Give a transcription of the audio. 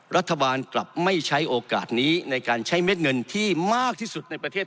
รัฐบาลกลับไม่ใช้โอกาสนี้ในการใช้เม็ดเงินที่มากที่สุดในประเทศ